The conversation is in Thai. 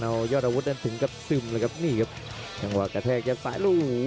เอายอรวุฒินั้นถึงกับซึมจังหวะกระแทกจากสายหลู